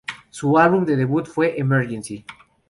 Su álbum de debut fue "Emergency!